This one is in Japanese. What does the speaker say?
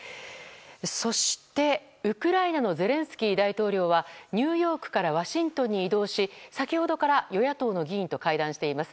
そして、ウクライナのゼレンスキー大統領はニューヨークからワシントンに移動し先ほどから与野党の議員と会談しています。